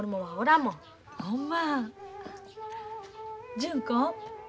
純子。